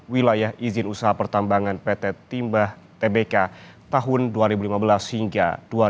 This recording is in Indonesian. wilayah izin usaha pertambangan pt timah tbk tahun dua ribu lima belas hingga dua ribu dua puluh